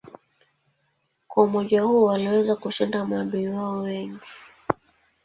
Kwa umoja huo waliweza kushinda maadui wao wengi.